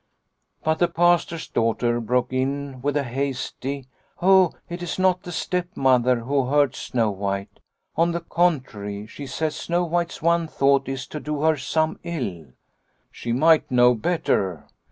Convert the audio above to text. But the Pastor's daughter broke in with a hasty :" Oh, it is not the stepmother who hurts Snow White. On the contrary, she says Snow White's one thought is to do her some ill." " She might know better."